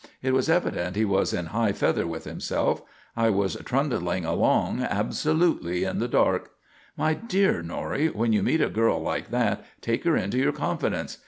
It was evident he was in high feather with himself. I was trundling along, absolutely in the dark. "My dear Norrie, when you meet a girl like that take her into your confidence.